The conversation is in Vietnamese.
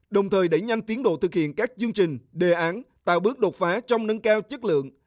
đồng thời đẩy nhanh tiến độ thực hiện các chương trình đề án tạo bước đột phá trong nâng cao chất lượng